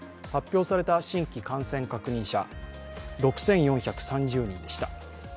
発表された新規感染確認者、６４３０人でした。